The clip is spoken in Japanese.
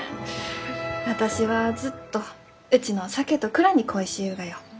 私はずっとうちの酒と蔵に恋しゆうがよ。